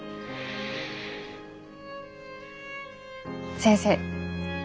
先生。